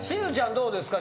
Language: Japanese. どうですか？